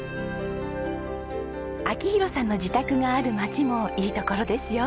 明宏さんの自宅がある町もいいところですよ。